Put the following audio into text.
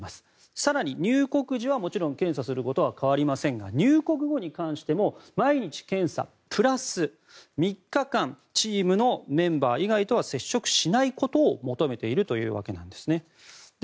更に、入国時はもちろん検査することは変わりませんが入国後に関しても毎日検査プラス３日間チームのメンバー以外とは接触しないことを求めているというわけなんです。